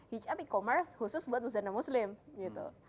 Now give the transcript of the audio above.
hijab e commerce khusus buat muslim muslim gitu